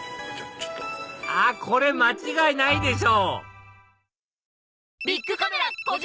あっこれ間違いないでしょ！